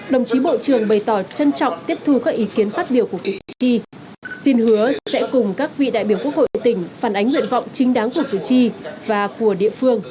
đồng chí bộ trưởng đề nghị cấp ủy chính quyền địa phương xem xét giải quyết sức điểm những vấn đề ngoài thầm quyền địa phương